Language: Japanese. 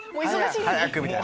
早く早く！みたいな。